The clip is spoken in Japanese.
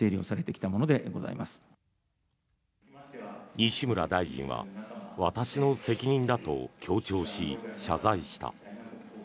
西村大臣は私の責任だと強調し謝罪した。